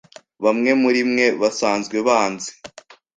Bamwe muri mwe basanzwe banzi.